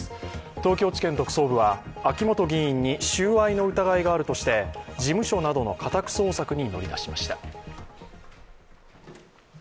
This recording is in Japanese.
東京地検特捜部は秋本議員に収賄の疑いがあるとして事務所などの家宅捜索に乗り出しました。